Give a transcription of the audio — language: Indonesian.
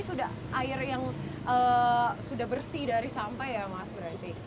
sudah air yang sudah bersih dari sampah ya mas berarti